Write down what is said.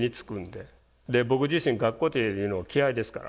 僕自身学校というのを嫌いですから。